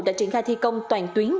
đã triển khai thi công toàn tuyến